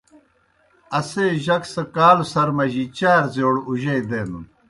اسے جک سہ کالوْ سر مجیْ چار زِیؤڑ اُجئی دینَن۔